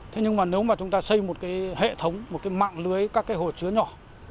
thế nhưng mà nếu mà chúng ta xây một cái hệ thống một cái mạng lưới các cái hồ chứa nhỏ